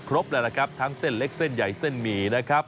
ประมาณนั้นล่ะครับ